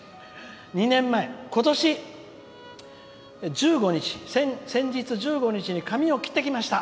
「２年前、ことし先日１５日に髪を切ってきました！